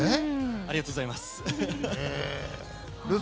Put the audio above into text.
ありがとうございます。